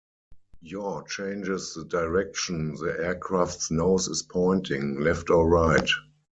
Yaw changes the direction the aircraft's nose is pointing, left or right.